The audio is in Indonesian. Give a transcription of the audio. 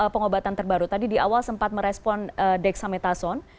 pengobatan terbaru tadi di awal sempat merespon dexamethasone